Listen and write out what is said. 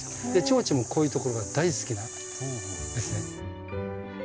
チョウチョもこういうところが大好きなんですね。